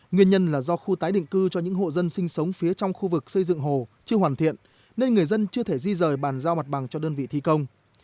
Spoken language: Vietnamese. nguyên nhân là do khu tái định cư cho những hộ dân sinh sống phía trong khu vực xây dựng hồ chưa hoàn thiện nên người dân chưa thể di rời bàn giao mặt bằng cho đơn vị thi công